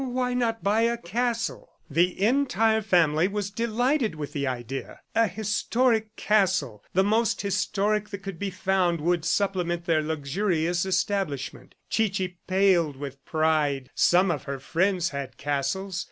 Why not buy a castle? ... The entire family was delighted with the idea. An historic castle, the most historic that could be found, would supplement their luxurious establishment. Chichi paled with pride. Some of her friends had castles.